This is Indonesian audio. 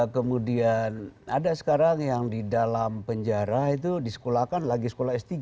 kemudian ada sekarang yang di dalam penjara itu disekolahkan lagi sekolah s tiga